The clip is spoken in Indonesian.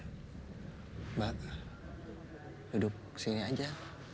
mbak duduk sini aja